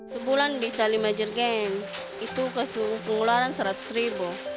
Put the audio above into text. sebulan bisa lima jergen itu ke suhu pengeluaran seratus ribu